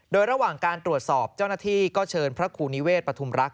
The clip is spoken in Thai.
โดยระหว่างการตรวจสอบเจ้าหน้าที่ก็เชิญพระครูนิเวศปฐุมรักษ